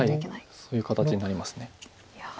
そういう形になります。